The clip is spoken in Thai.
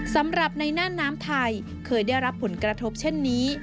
สำหรับในหน้าน้ำไทยเคยได้รับผลกระทบเช่นนี้